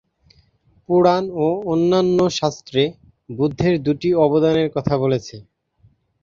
পুরাণ ও অন্যান্য শাস্ত্রে বুদ্ধের দুটি অবদানের কথা বলেছে।